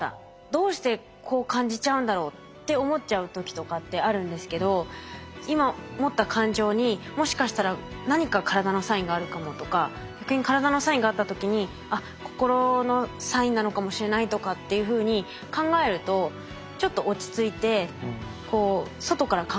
どうしてこう感じちゃうんだろうって思っちゃう時とかってあるんですけど今持った感情にもしかしたら何か体のサインがあるかもとか逆に体のサインがあった時にあっ心のサインなのかもしれないとかっていうふうに考えるとちょっと落ち着いてこう外から考えられるかもしれないですね。